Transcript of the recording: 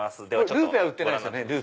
ルーペは売ってないですよね？